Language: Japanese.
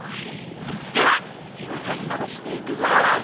では気を取り直していくぞ。